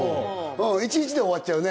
１日で終わっちゃうね。